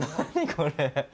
これ。